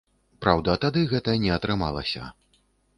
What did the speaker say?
Праўда, тады гэта не атрымалася.